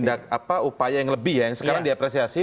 tindak apa upaya yang lebih ya yang sekarang diapresiasi